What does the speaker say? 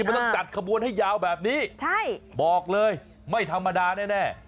มันต้องจัดขบวนให้ยาวแบบนี้ใช่บอกเลยไม่ธรรมดาแน่